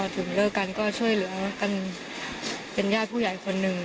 ถึงเลิกกันก็ช่วยเหลือกันเป็นญาติผู้ใหญ่คนหนึ่ง